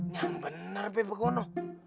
yang bener be pokoknya